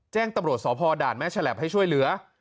แจ้งตำรวจสพด่านแม่ฉลับให้ช่วยเหลือ